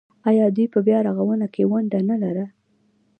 آیا دوی په بیارغونه کې ونډه نلره؟